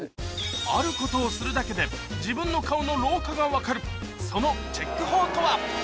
あることをするだけで自分の顔の老化が分かるそのチェック法とは？